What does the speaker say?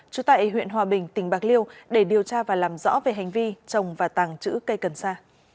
trú tại huyện hòa bình tỉnh bạc liêu để điều tra và làm rõ về hành vi trồng và tàng trữ cây cần sa